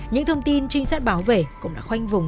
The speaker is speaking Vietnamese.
những thông tin trinh sát báo về cũng đã khoanh vùng